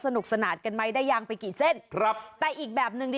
สนุกสนานกันไหมได้ยังไปกี่เส้นครับแต่อีกแบบหนึ่งดี